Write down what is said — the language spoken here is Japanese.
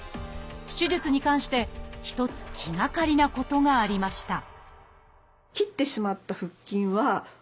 手術に関して一つ気がかりなことがありました